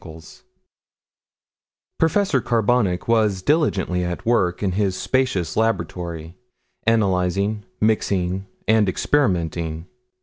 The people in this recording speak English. _ Professor Carbonic was diligently at work in his spacious laboratory, analyzing, mixing and experimenting.